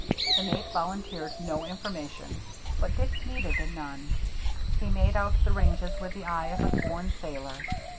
The mate volun teered no information, but Dick needed none; he made out the ranges with the eye of a born sailor.